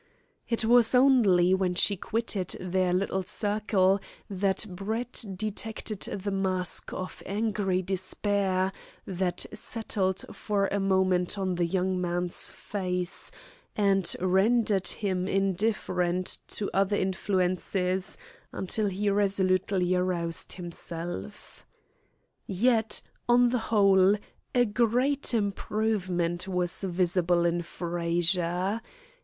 It was only when she quitted their little circle that Brett detected the mask of angry despair that settled for a moment on the young man's face, and rendered him indifferent to other influences until he resolutely aroused himself. Yet, on the whole, a great improvement was visible in Frazer.